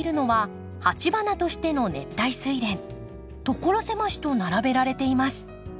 所狭しと並べられています。